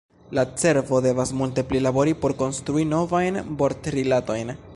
La cerbo devas multe pli labori por konstrui novajn vortrilatojn.